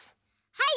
はい！